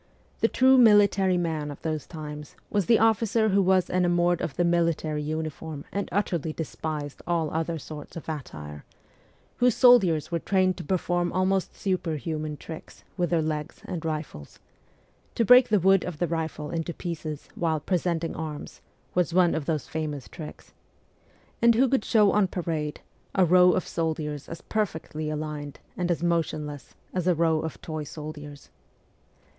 The true military man of those times was the officer who was enamoured of the military uniform and utterly despised all other sorts of attire ; whose soldiers were trained to perform almost superhuman tricks with their legs and rifles (to break the wood of the rifle into pieces while ' presenting arms ' was one of those famous tricks) ; and who could show on parade a row of soldiers as perfectly aligned and as motionless as a row of toy soldiers.